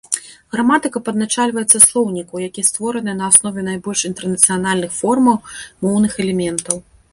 Граматыка падначальваецца слоўніку, які створаны на аснове найбольш інтэрнацыянальных формах моўных элементаў.